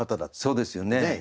そうですよね。